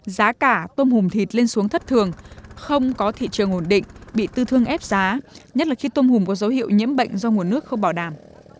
giá cả tôm hùm thịt lên xuống thất thường không có thị trường ổn định bị tư thương ép giá nhất là khi tôm hùm có dấu hiệu nhiễm bệnh do nguồn nước không bảo đảm